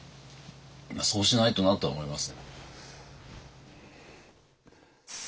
そうしないとなとは思います。